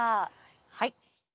はい。